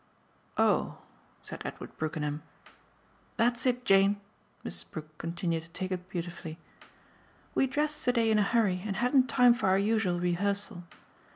"Oh!" said Edward Brookenham. "That's it, Jane" Mrs. Brook continued to take it beautifully. "We dressed to day in a hurry and hadn't time for our usual rehearsal.